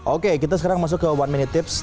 oke kita sekarang masuk ke one minute tips